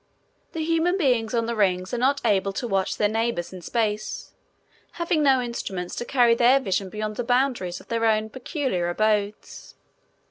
The human beings on the rings are not able to watch their neighbors in space, having no instruments to carry their vision beyond the boundaries of their own peculiar abodes.